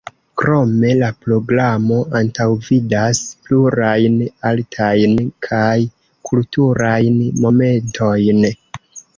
Krome la programo antaŭvidas plurajn artajn kaj kulturajn momentojn.